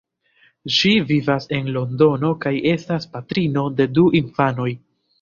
Ŝi vivas en Londono kaj estas patrino de du infanoj.